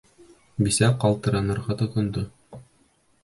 Бисә ҡалтыранырға тотондо.